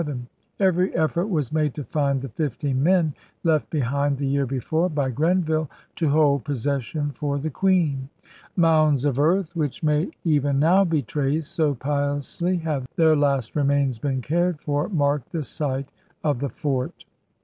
Every effort was made to find the fifteen men left behind the year before by Grenville to hold possession for the Queen. Mounds of earth, which may even now be traced, so piously have their last remains been cared for, marked the site of the fort.